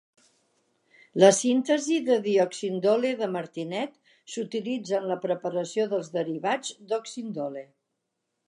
La síntesi de dioxindole de Martinet s'utilitza en la preparació dels derivats d'oxindole.